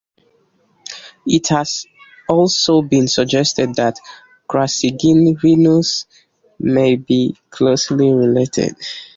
It has also been suggested that "Crassigyrinus" may be closely related.